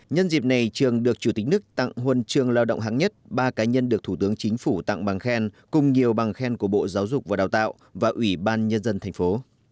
nhân dịp này trường được chủ tịch nước tặng huân chương lao động hạng nhất ba cá nhân được thủ tướng chính phủ tặng bằng khen cùng nhiều bằng khen của bộ giáo dục và đào tạo và ủy ban nhân dân thành phố